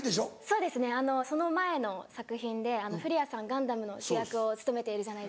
そうですねその前の作品で古谷さん『ガンダム』の主役を務めているじゃないですか。